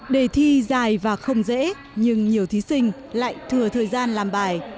đề thi dài và không dễ nhưng nhiều thí sinh lại thừa thời gian làm bài